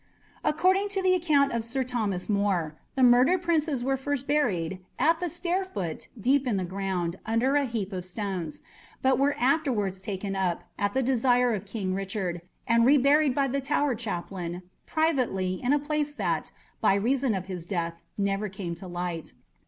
According to the account of Sir Thomas More, the murdered princes were first buried "at the stairfoot, deep in the ground, under a heap of stones," but were afterwards taken up, at the desire of King Richard, and reburied by the Tower Chaplain "privately, in a place that, by reason of his death, never came to light."